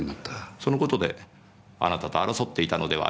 その事であなたと争っていたのではありませんか？